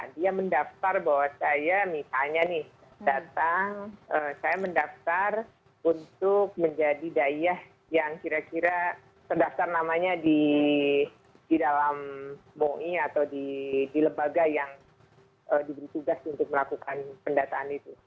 dia mendaftar bahwa saya misalnya nih datang saya mendaftar untuk menjadi dayah yang kira kira terdaftar namanya di dalam mui atau di lembaga yang diberi tugas untuk melakukan pendataan itu